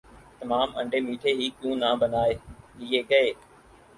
تمام انڈے میٹھے ہی کیوں نہ بنا لئے گئے